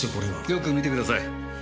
よく見てください。